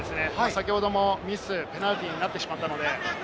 先ほどもミス、ペナルティーになってしまったので。